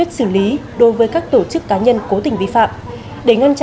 cho các bà các em